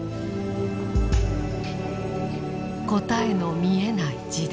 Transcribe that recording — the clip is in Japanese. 「答えの見えない時代。